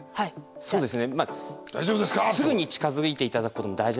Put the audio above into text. そうですね。